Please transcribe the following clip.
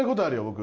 僕。